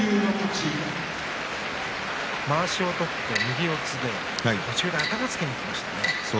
まわしを取って右四つで途中から頭をつけにいきましたね。